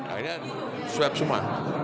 akhirnya disuap semua